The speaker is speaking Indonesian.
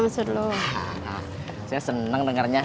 saya senang dengarnya